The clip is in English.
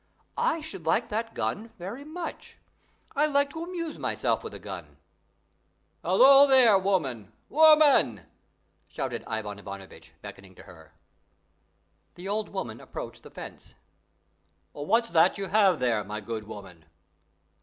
I should like that gun very much: I like to amuse myself with a gun. Hello, there, woman, woman!" shouted Ivan Ivanovitch, beckoning to her. The old woman approached the fence. "What's that you have there, my good woman?"